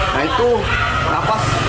nah itu nafas itu